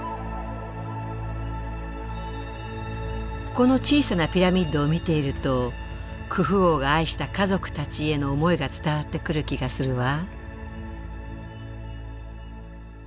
この小さなピラミッドを見ているとクフ王が愛した家族たちへの思いが伝わってくる気がするわ。